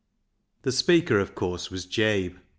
The speaker, of course, was Jabe.